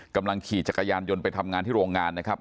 ขี่จักรยานยนต์ไปทำงานที่โรงงานนะครับ